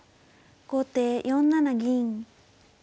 後手４七銀。